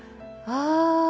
ああ！